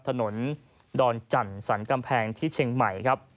ถนนดอนจันทร์สรรกำแพงที่เชียงใหม่ครับ